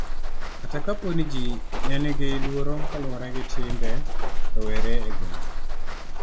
kata kapo ni ji nenigi luoro kaluwore gi timbe rowere e gweng'